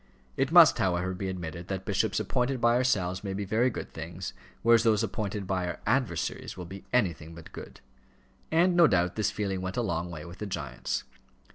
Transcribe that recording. It must, however, be admitted that bishops appointed by ourselves may be very good things, whereas those appointed by our adversaries will be anything but good. And, no doubt, this feeling went a long way with the giants.